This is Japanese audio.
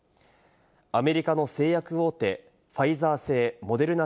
アメリカの製薬大手・ファイザー製、モデルナ